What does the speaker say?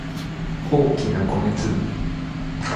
大きな米粒